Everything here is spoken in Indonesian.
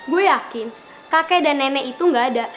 gue yakin kakek dan nenek itu gak ada